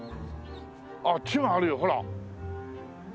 あっちもあるよほら！